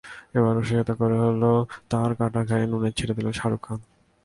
এবার রসিকতা করে হলেও তাঁর কাটা ঘায়ে নুনের ছিটা দিলেন শাহরুখ খান।